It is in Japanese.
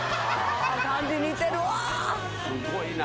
すごいな！